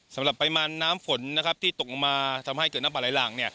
สำหรับปริมาณน้ำฝนที่ตกลงมาทำให้เกิดน้ำปลาไหลหลาก